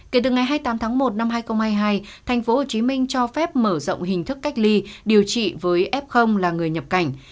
kể từ ngày hai mươi tám tháng một năm hai nghìn hai mươi hai tp hcm cho phép mở rộng hình thức cách ly điều trị với f là người nhập cảnh